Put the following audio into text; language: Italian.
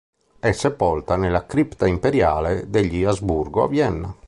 È sepolta nella Cripta Imperiale degli Asburgo, a Vienna.